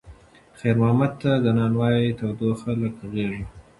خیر محمد ته د نانوایۍ تودوخه لکه غېږ وه.